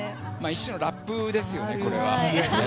一種のラップですよねこれは。